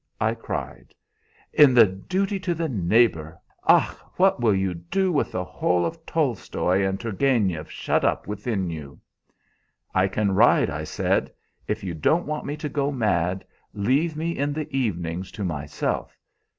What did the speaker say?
I cried. "' in the duty to the neighbor. Ach! what will you do with the whole of Tolstoi and Turgenieff shut up within you?' "'I can ride,' I said. 'If you don't want me to go mad, leave me in the evenings to myself.